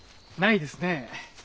ないですね。